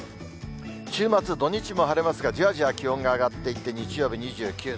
週末、土日も晴れますが、じわじわ気温が上がっていって、日曜日２９度。